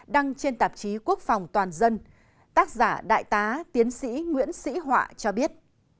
đăng trên tạp chí quốc phòng toàn dân tác giả đại tá tiến sĩ nguyễn sĩ họa cho biết